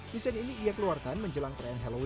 desain ini ia keluarkan menjelang perayaan halloween